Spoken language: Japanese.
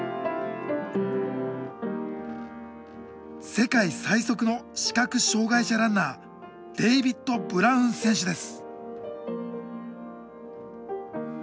世界最速の視覚障害者ランナーデイビッド・ブラウン選手です。